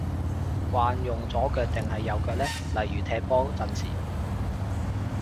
慣用左腳定係右腳呢？例如踢波陣時